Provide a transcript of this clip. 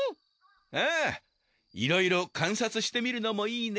あぁいろいろ観察してみるのもいいね。